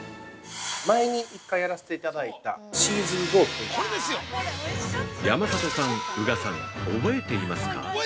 前に１回やらせていただいたシーズートウ◆山里さん、宇賀さん覚えていますか？